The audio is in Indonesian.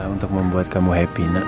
untuk membuat kamu happy